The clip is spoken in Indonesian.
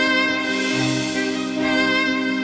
kenapa andin udah tidur sih